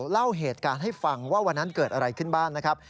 เล่าเหตุการณ์ให้ฟังว่าวันนั้นเกิดอะไรขึ้นบ้างนะครับ